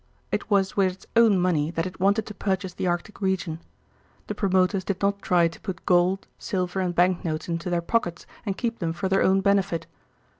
It was with its own money that it wanted to purchase the Arctic region. The promoters did not try to put gold, silver, and bank notes into their pockets and keep them for their own benefit.